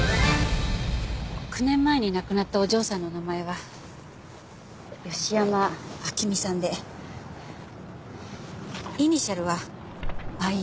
９年前に亡くなったお嬢さんの名前は芳山昭美さんでイニシャルはＹＡ。